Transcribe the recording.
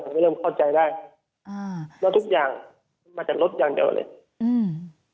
ไม่เริ่มเข้าใจได้อ่าแล้วทุกอย่างมันมาจากรถอย่างเดียวเลยอืม